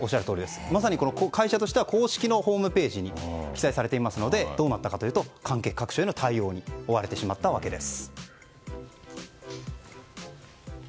まさに会社としては公式のホームページに記載されていますのでどうなったかというと関係各所への対応に追われてしまったわけです。